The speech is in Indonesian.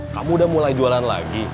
kamu udah mulai jualan lagi